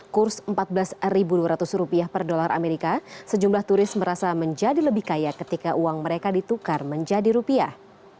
kurs rp empat belas dua ratus rupiah per dolar amerika sejumlah turis merasa menjadi lebih kaya ketika uang mereka ditukar menjadi rupiah